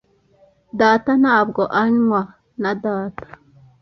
"Data ntabwo anywa." "Na data."